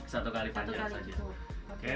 satu kali panjang saja